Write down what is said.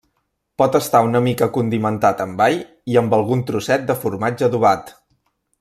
Pot estar una mica condimentat amb all i amb algun trosset de formatge adobat.